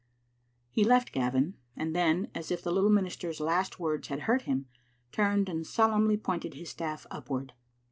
He left Gavin, and then, as if the little minister's last words had hurt him, turned and solemnly pointed his staff upward.